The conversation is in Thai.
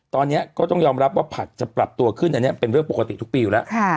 ตอนนี้ก็ต้องยอมรับว่าผักจะปรับตัวขึ้นอันนี้เป็นเรื่องปกติทุกปีอยู่แล้ว